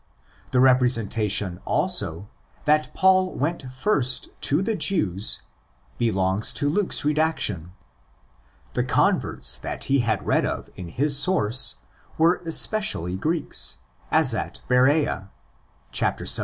The representation, also, that Paul went first to the Jews belongs to Luke's redac tion. The converts he had read of in his source were especially Greeks, as at Bercea (xvii.